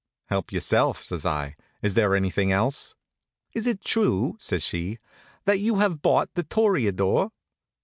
"Help yourself," says I. "Is there anything else?" "Is it true," says she, "that you have bought The Toreador?"